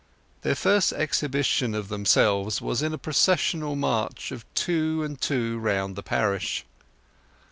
Their first exhibition of themselves was in a processional march of two and two round the parish.